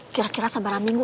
kira kira sebarang minggu